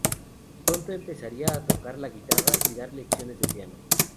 Pronto empezaría a tocar la guitarra y a dar lecciones de piano.